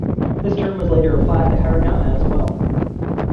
This term was later applied to hiragana, as well.